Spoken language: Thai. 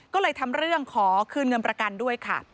ก็เลยทำเรื่องขอคืนเงินประกันด้วยค่ะ